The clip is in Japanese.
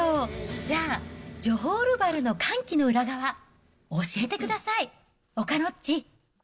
じゃあジョホールバルの歓喜の裏側、教えてください、岡野っち。